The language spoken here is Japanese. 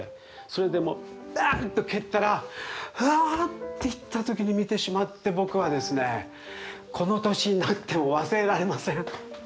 それでもう「やっ！」って蹴ったらうわって行った時に見てしまって僕はですねこの年になっても忘れられません。